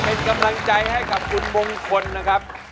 เป็นกำลังใจให้กับคุณมงคลนะครับ